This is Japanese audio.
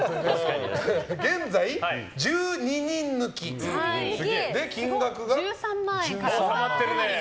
現在、１２人抜きで金額が１３万円。